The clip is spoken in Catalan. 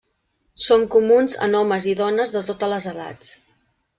Són comuns en homes i dones de totes les edats.